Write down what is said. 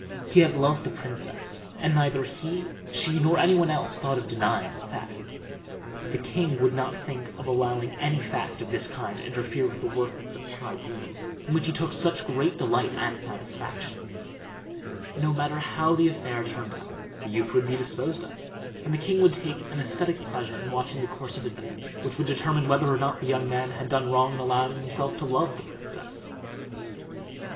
He had loved the princess, and neither he, she, nor any one else, thought of denying the fact; but the king would not think of allowing any fact of this kind to interfere with the workings of the tribunal, in which he took such great delight and satisfaction. No matter how the affair turned out, the youth would be disposed of, and the king would take an aesthetic pleasure in watching the course of events, which would determine whether or not the young man had done wrong in allowing himself to love the princess.